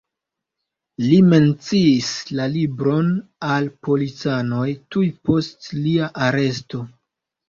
Li menciis la libron al policanoj tuj post lia aresto.